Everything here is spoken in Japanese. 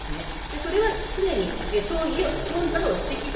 それは常に頓挫をしてきた、